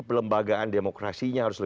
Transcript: pelembagaan demokrasinya harus lewat